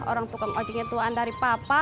orang tukang ojeknya tuhan dari papa